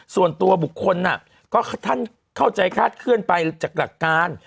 ส่วนตัวบุคคลก็ท่านเข้าใจคาดเคลื่อนไปจากหลักการ